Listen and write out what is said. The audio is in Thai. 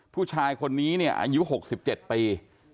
ผู้ชายคนนี้อายุ๖๗ปี